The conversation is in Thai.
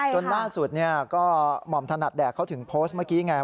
จนล่าสุดก็หม่อมถนัดแดกเขาถึงโพสต์เมื่อกี้ไง